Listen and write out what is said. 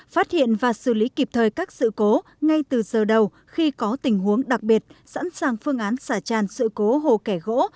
phát hiện và xử lý kịp thời các sự cố ngay từ giờ đầu khi có tình huống đặc biệt sẵn sàng phương án xả tràn sự cố hồ kẻ gỗ